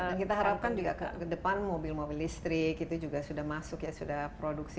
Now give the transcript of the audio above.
dan kita harapkan juga ke depan mobil mobil listrik itu juga sudah masuk ya sudah produksi